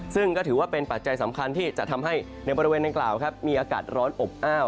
ซึ่งก็ถือว่าเป็นปัจจัยสำคัญที่จะทำให้ในบริเวณดังกล่าวมีอากาศร้อนอบอ้าว